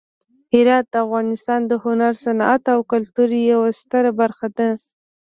هرات د افغانستان د هنر، صنعت او کلتور یوه ستره برخه ده.